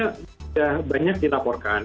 karena sudah banyak dilaporkan